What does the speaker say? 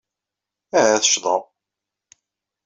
Ahat cceḍeɣ.